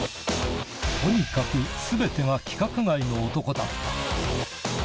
とにかくすべてが規格外の男だった。